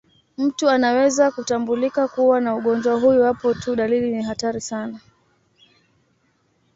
Mtu anaweza kutambulika kuwa na ugonjwa huu iwapo tu dalili ni hatari sana.